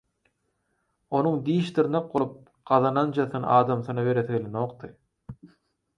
Onuň diş-dyrnak bolup gazananjasyny adamsyna beresi gelenokdy.